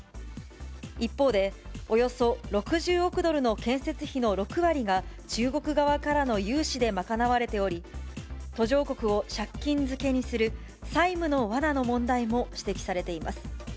一方で、およそ６０億ドルの建設費の６割が中国側からの融資で賄われており、途上国を借金漬けにする債務のわなの問題も指摘されています。